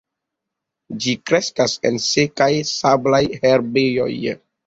Ĝi kreskas en sekaj sablaj herbejoj.